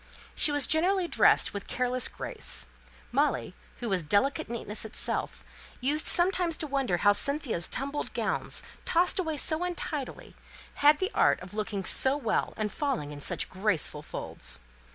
She was generally dressed with careless grace. Molly, who was delicate neatness itself, used sometimes to wonder how Cynthia's tumbled gowns, tossed away so untidily, had the art of looking so well, and falling in such graceful folds.